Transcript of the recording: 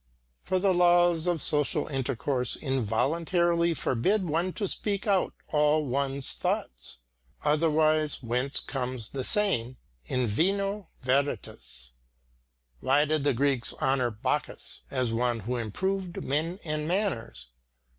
For the laws of social intercourse involuntarily forbid one to speak out all one's thoughts. Otherwise whence comes the saying, In vino veritas? Why did the Greeks honour Bacchus as one who improved men and manners?